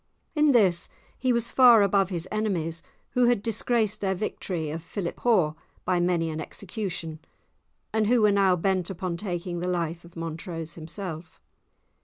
In this he was far above his enemies, who had disgraced their victory of Philiphaugh by many an execution, and who were now bent upon taking the life of Montrose himself.